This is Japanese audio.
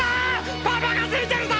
パパがついてるぞ！